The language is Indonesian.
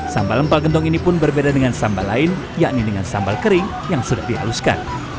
sambal empal gentong ini pun berbeda dengan sambal lain yakni dengan sambal kering yang sudah dihaluskan